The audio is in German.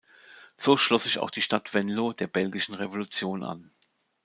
So schloss sich auch die Stadt Venlo der Belgischen Revolution an.